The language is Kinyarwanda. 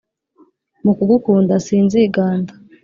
Mu kugukunda sinziganda!!